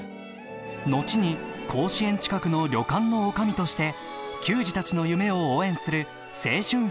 後に甲子園近くの旅館の女将として球児たちの夢を応援する青春奮闘記です。